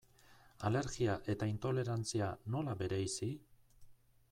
Alergia eta intolerantzia, nola bereizi?